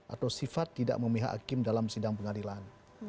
atau sifat tidak memihak hakim dalam sidang pengadilan